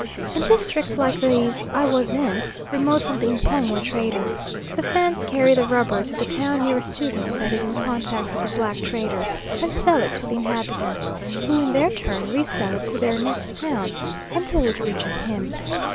In districts like these I was in, remote from the M'pongwe trader, the Fans carry the rubber to the town nearest to them that is in contact with the black trader, and sell it to the inhabitants, who in their turn resell it to their next town, until it reaches him.